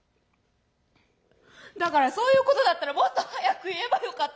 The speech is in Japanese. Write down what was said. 「だからそういうことだったらもっと早く言えばよかったじゃん！